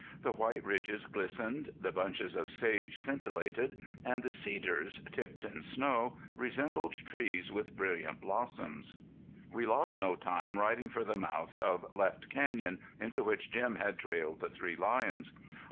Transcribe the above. The white ridges glistened; the bunches of sage scintillated, and the cedars, tipped in snow, resembled trees with brilliant blossoms. We lost no time riding for the mouth of Left Canyon, into which Jim had trailed the three lions.